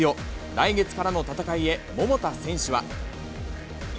来月からの戦いへ、桃田選手は。